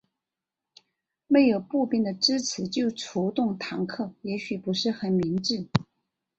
没有步兵的支持就出动坦克也许不是很明智。